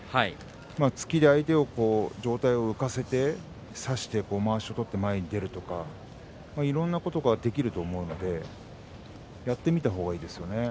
突きで相手の上体を浮かせて差してまわしを取って前に出るとかいろいろなことができると思うのでやってみた方がいいですよね。